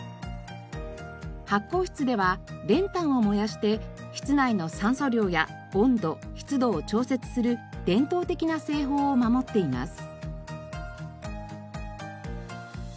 発酵室では練炭を燃やして室内の酸素量や温度湿度を調節する伝統的な製法を守っています。